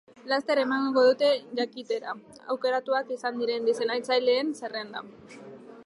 Laster emango dute jakitera aukeratuak izan diren diseinatzaileen zerrenda.